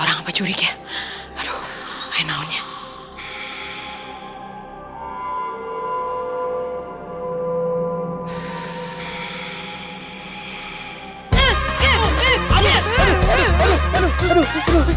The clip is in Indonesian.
reti ngamain sih